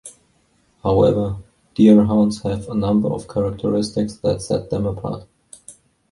However, Deerhounds have a number of characteristics that set them apart.